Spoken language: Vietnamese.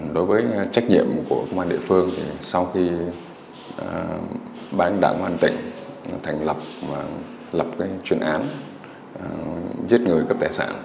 đối với trách nhiệm của công an địa phương thì sau khi bán đảng hoàn tỉnh thành lập và lập cái chuyên án giết người cấp tài sản